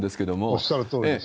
おっしゃるとおりです。